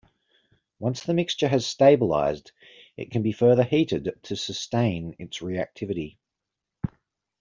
Once the mixture has stabilized, it can be further heated to sustain its reactivity.